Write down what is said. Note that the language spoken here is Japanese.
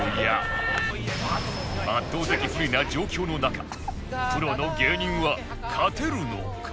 圧倒的不利な状況の中プロの芸人は勝てるのか？